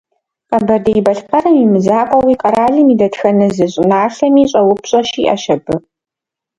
Къэбэрдей-Балъкъэрым имызакъуэуи, къэралым и дэтхэнэ зы щӏыналъэми щӏэупщӏэ щиӏэщ абы.